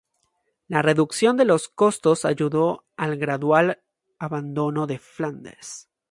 La reducción de los costos ayudó al gradual abandono de Flandes.